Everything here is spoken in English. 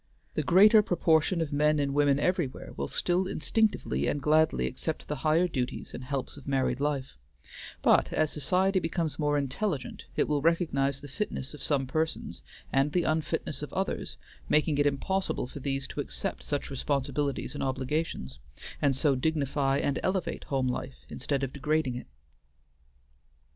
The greater proportion of men and women everywhere will still instinctively and gladly accept the high duties and helps of married life; but as society becomes more intelligent it will recognize the fitness of some persons, and the unfitness of others, making it impossible for these to accept such responsibilities and obligations, and so dignify and elevate home life instead of degrading it.